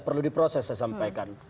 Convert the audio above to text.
perlu diproses saya sampaikan